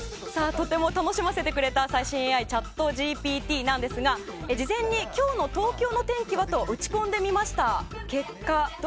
とても楽しませてくれた最新ＡＩＣｈａｔＧＰＴですが事前に今日の東京の天気は？と打ち込んでみました。